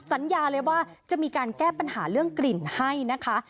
สัญญาเลยว่าจะมีการแก้ปัญหาเรื่องกลิ่นให้นะคะ